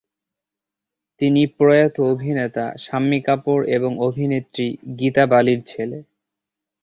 তিনি প্রয়াত অভিনেতা শাম্মী কাপুর এবং অভিনেত্রী গীতা বালির ছেলে।